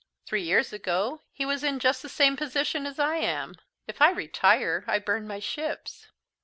Three years ago he was in just the same position as I am. If I retire, I burn my ships.